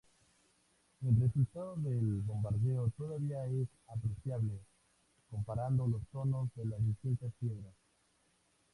El resultado del bombardeo todavía es apreciable comparando los tonos de las distintas piedras.